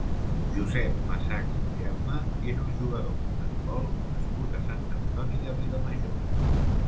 Josep Masachs Gelma és un jugador d'handbol nascut a Sant Antoni de Vilamajor.